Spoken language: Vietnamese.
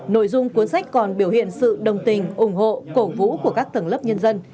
nội dung cuốn sách còn biểu hiện sự đồng tình ủng hộ cổ vũ của các tầng lớp nhân dân